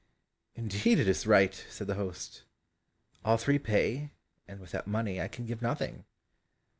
"Indeed it is right," said the host, "all three pay, and without money I can give nothing."